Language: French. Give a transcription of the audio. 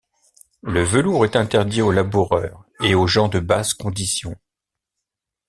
Le velours est interdit aux laboureurs et aux gens de basse condition.